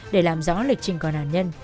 để làm rõ lịch trình của nạn nhân